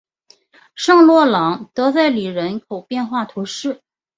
圣洛朗德塞里人口变化图示